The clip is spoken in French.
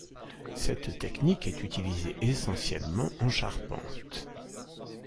Cette technique est utilisée essentiellement en charpente.